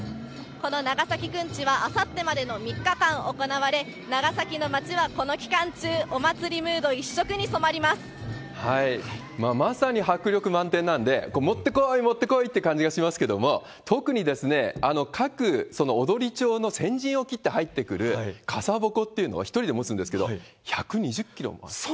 この長崎くんちは、あさってまでの３日間行われ、長崎の街はこの期間中、まさに迫力満点なんで、モッテコーイ、モッテコーイって感じがしますけれども、特に各踊町の先陣を切って入ってくる傘鉾っていうのを１人で持つんですけれども、１２０キロもある。